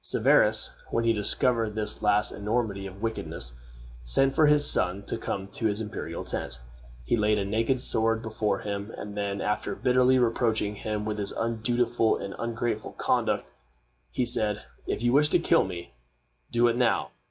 Severus, when he discovered this last enormity of wickedness, sent for his son to come to his imperial tent. He laid a naked sword before him, and then, after bitterly reproaching him with his undutiful and ungrateful conduct, he said, "If you wish to kill me, do it now.